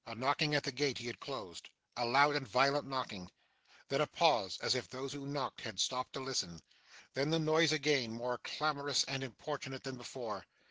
A knocking at the gate he had closed. A loud and violent knocking. Then, a pause; as if those who knocked had stopped to listen. Then, the noise again, more clamorous and importunate than before.